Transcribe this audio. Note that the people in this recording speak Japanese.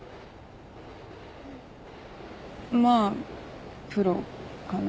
まあプロかな。